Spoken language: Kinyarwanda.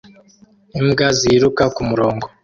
Imbwa ziruka kumurongo